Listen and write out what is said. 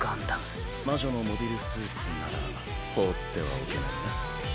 魔女のモビルスーツなら放ってはおけないな。